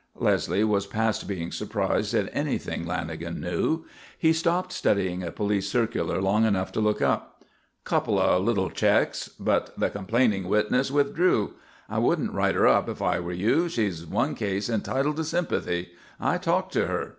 Leslie was past being surprised at anything Lanagan knew. He stopped studying a police circular long enough to look up. "Couple of little checks, but the complaining witness withdrew. I wouldn't write her up if I were you. She's one case entitled to sympathy. I talked to her.